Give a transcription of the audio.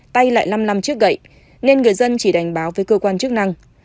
tay lại lăm lăm trước gậy nên người dân chỉ đành báo với cơ quan chức năng